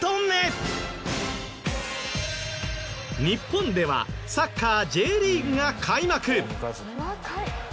日本ではサッカーＪリーグが開幕。